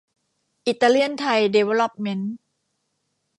อิตาเลียนไทย ดีเวล๊อปเมนต์